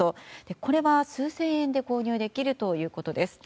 これは数千円で購入できるということです。